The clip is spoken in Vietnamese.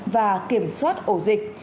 và kiểm soát ổ dịch